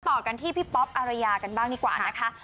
ต่อกันที่พี่ป๊อปอารยากันบ้างดีกว่านะคะ